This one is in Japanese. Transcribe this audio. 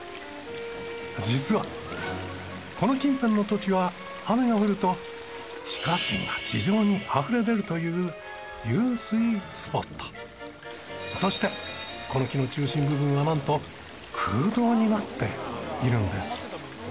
実はこの近辺の土地は雨が降ると地下水が地上にあふれ出るというそしてこの木の中心部分はなんと空洞になっているんです。